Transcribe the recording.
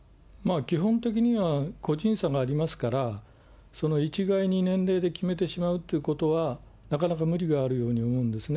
基本的には、個人差がありますから、一概に年齢で決めてしまうということは、なかなか無理があるように思うんですね。